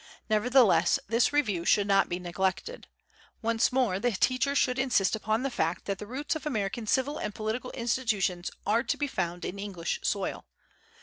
Nevertheless, this review should not be neglected. Once more the teacher should insist upon the fact that the roots of American civil and political institutions are to be found in English soil.